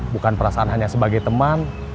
bukan perasaan hanya sebagai teman